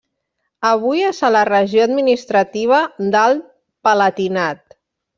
Avui, és a la regió administrativa d'Alt Palatinat.